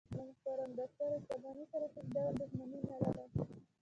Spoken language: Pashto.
له محترم ډاکټر اشرف غني سره هیڅ ډول دښمني نه لرم.